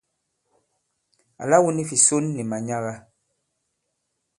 Àla wu ni fìson fi manyaga.